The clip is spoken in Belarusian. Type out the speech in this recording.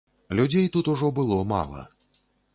Людзей тут ужо было мала.